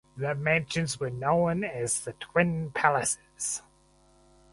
The mansions were known as the Twin Palaces.